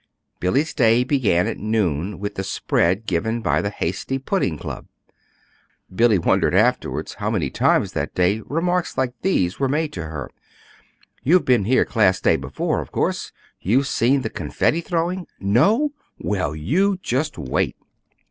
Billy's day began at noon with the spread given by the Hasty Pudding Club. Billy wondered afterward how many times that day remarks like these were made to her: "You've been here Class Day before, of course. You've seen the confetti throwing!... No? Well, you just wait!"